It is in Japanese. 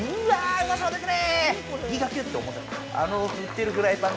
うまそうですね。